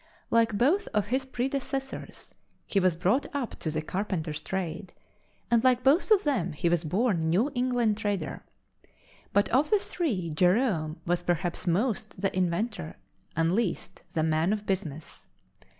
Like both of his predecessors he was brought up to the carpenter's trade, and like both of them he was a born New England trader. But of the three, Jerome was perhaps most the inventor and least the man of business.